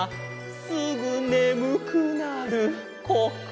「すぐねむくなるこっくり」